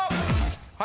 はい。